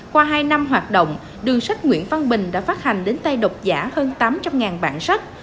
qua hai năm hoạt động đường sách nguyễn văn bình đã phát hành đến tay đọc giả hơn tám trăm linh bản sách